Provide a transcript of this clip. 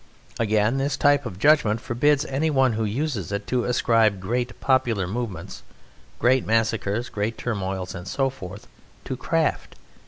Again, this type of judgment forbids anyone who uses it to ascribe great popular movements (great massacres, great turmoils, and so forth) to craft.